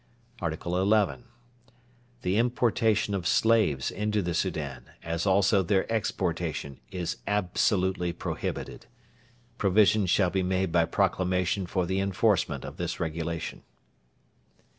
ART. XI. The importation of slaves into the Soudan, as also their exportation, is absolutely prohibited. Provision shall be made by Proclamation for the enforcement of this Regulation.